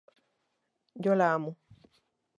Yo la amo.